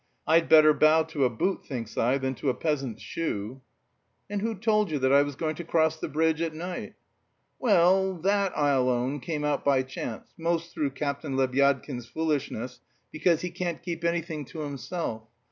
I'd better bow to a boot, thinks I, than to a peasant's shoe." "And who told you that I was going to cross the bridge at night?" "Well, that, I'll own, came out by chance, most through Captain Lebyadkin's foolishness, because he can't keep anything to himself....